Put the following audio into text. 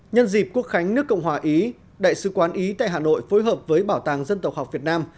nhân dịp quốc khánh nước cộng hòa ý đại sứ quán ý tại hà nội phối hợp với bảo tàng dân tộc học việt nam